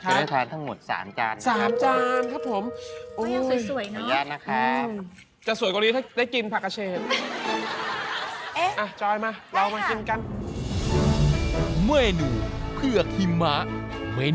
พี่ครอบจะได้ทานทั้งหมด๗จานนะครับ